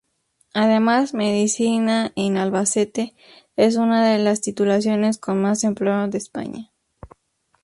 Además, Medicina en Albacete es una de las titulaciones con más empleo de España.